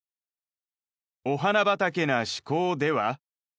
お花畑な思考では？